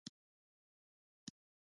چیني ټوکران په ټوله نړۍ کې مشهور دي.